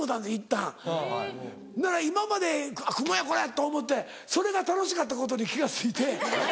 ほんなら今までクモやこれ！と思ってそれが楽しかったことに気が付いて。